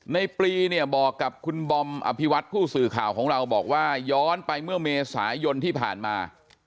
ปลีเนี่ยบอกกับคุณบอมอภิวัตผู้สื่อข่าวของเราบอกว่าย้อนไปเมื่อเมษายนที่ผ่านมา